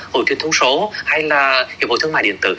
hội truyền thông số hay là hiệp hội thương mại điện tử